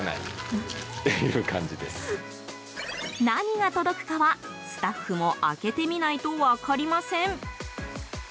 何が届くかは、スタッフも開けてみないと分かりません。